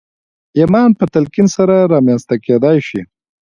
ايمان په تلقين سره رامنځته کېدای شي.